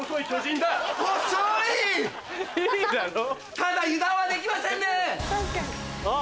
ただ油断はできませんね！あっ。